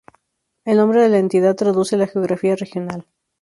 El nombre de la entidad traduce la geografía regional.